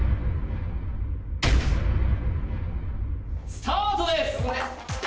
スタートです